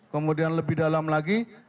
kemudian lebih dalam lagi